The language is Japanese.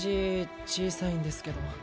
小さいんですけど。